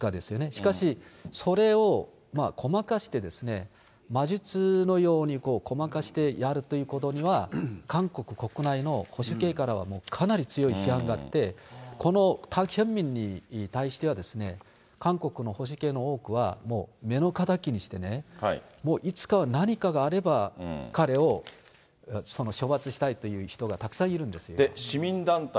しかし、それをごまかして、魔術のようにごまかしてやるということには、韓国国内の保守系からはかなり強い批判があって、このタク・ヒョンミンに対しては、韓国の保守系の多くは、もう目の敵にしてね、もういつか何かがあれば、彼を処罰したいという人がたくさんいるんですよね。